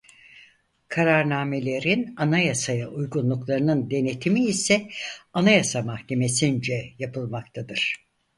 Kararnamelerin anayasaya uygunluklarının denetimi ise Anayasa Mahkemesince yapılmaktadır.